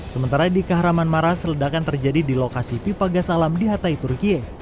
sementara di kahraman maras ledakan terjadi di lokasi pipa gas alam di hatay turkiye